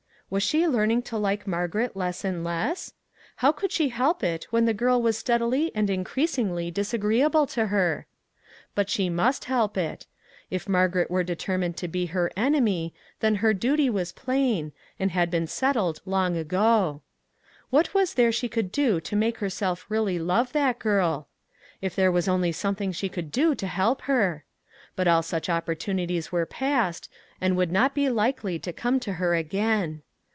Was she learning to like Margaret less and less ? How could she help it when the girl was steadily and increas ingly disagreeable to her? But she must help it. If Margaret were determined to be her en emy, then her duty was plain, and had been set 37 "EXCELLENT' tied long ago. What was there she could do to make herself really love that girl? If there was only something that she could do to help her ! But all such opportunities were past, and would not be likely to come to her again.